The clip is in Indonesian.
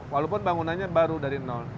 walaupun bangunannya baru dari nol